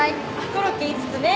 コロッケ５つね。